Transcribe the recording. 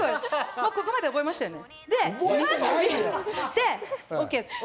ここまで覚えましたよね？